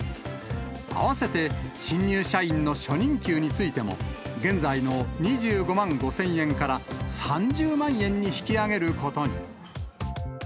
併せて、新入社員の初任給についても、現在の２５万５０００円から３０万円に引き上げることに。